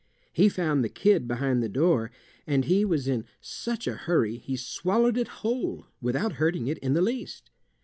He found the kid behind the door, and he was in such a hurry he swallowed it whole without hurting it in the least.